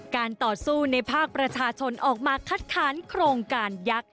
การต่อสู้ในภาคประชาชนออกมาคัดค้านโครงการยักษ์